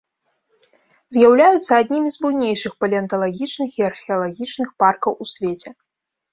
З'яўляюцца аднімі з буйнейшых палеанталагічных і археалагічных паркаў у свеце.